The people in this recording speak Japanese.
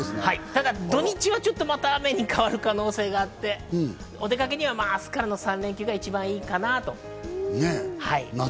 ただ土日はまた雨に変わる可能性もあって、お出かけは明日からの３連休が一番いいかなと。